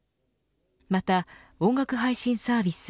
また音楽配信サービス